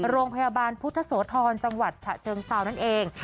โรงพยาบาลพุทธโสธรจังหวัดฉะเชิงเซานั่นเอง